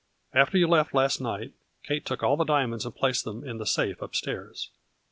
After you left last night Kate took all the diamonds and placed them in the safe up stairs.